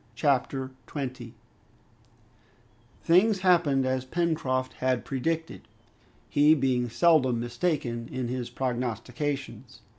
Chapter 20 Things happened as Pencroft had predicted, he being seldom mistaken in his prognostications.